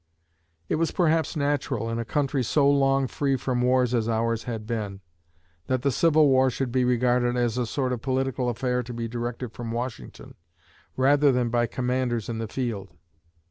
It was perhaps natural, in a country so long free from wars as ours had been, that the Civil War should be regarded as a sort of political affair to be directed from Washington rather than by commanders in the field.